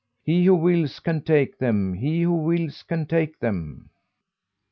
He who wills can take them. He who wills can take them."